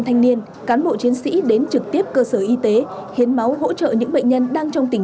thanh niên cán bộ chiến sĩ đến trực tiếp cơ sở y tế hiến máu hỗ trợ những bệnh nhân đang trong tình